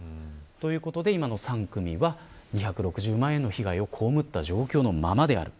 ということで今の３組は２６０万円の被害をこうむった状況のままである。